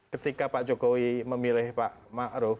ketika pak jokowi memilih pak ma'ruf